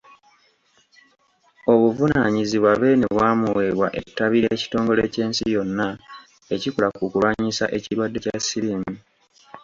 Obuvunaanyizibwa Beene bwamuweebwa ettabi ly'ekitongole ky'ensi yonna ekikola ku kulwanyisa ekirwadde kya Siriimu.